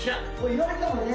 言われたもんね